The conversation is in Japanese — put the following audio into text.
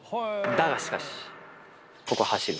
だが、しかし、ここは走る。